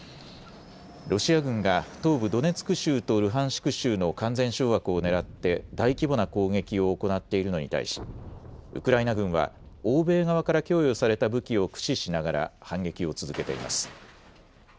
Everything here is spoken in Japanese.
ロシア軍が東部ドネツク州とルハンシク州の完全掌握をねらって大規模な攻撃を行っているのに対し、ウクライナ軍は欧米側から供与された武器を駆使しながら反撃を続けています。